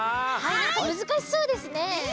なんかむずかしそうですね。